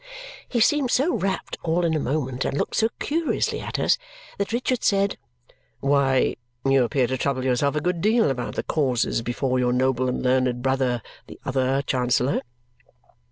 He seemed so rapt all in a moment and looked so curiously at us that Richard said, "Why, you appear to trouble yourself a good deal about the causes before your noble and learned brother, the other Chancellor!"